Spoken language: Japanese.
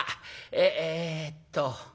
えっと